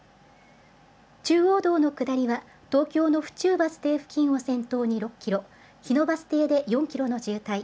中央道の下りは、東京の府中バス停付近を先頭に６キロ、日野バス停で４キロの渋滞。